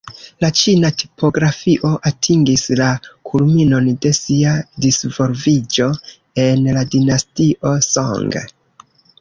La ĉina tipografio atingis la kulminon de sia disvolviĝo en la dinastio Song.